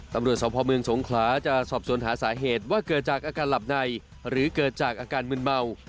ตำรวจสพเมืองสงขลาจะสอบสวนหาสาเหตุว่าเกิดจากอาการหลับในหรือเกิดจากอาการมืนเมา